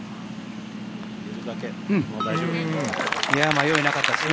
迷いなかったですね。